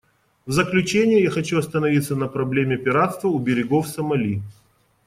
В заключение я хочу остановиться на проблеме пиратства у берегов Сомали.